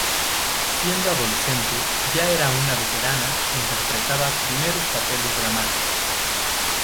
Siendo adolescente ya era una veterana e interpretaba primeros papeles dramáticos.